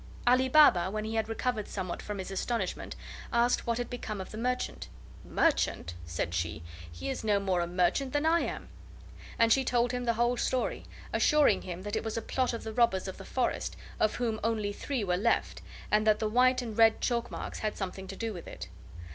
Ali Baba, when he had recovered somewhat from his astonishment, asked what had become of the merchant. "Merchant!" said she, "he is no more a merchant than I am!" and she told him the whole story, assuring him that it was a plot of the robbers of the forest, of whom only three were left, and that the white and red chalk marks had something to do with it.